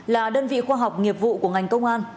là đơn vị khoa học nghiệp vụ của ngành công an